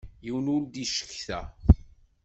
Yiwen ur d-icetka.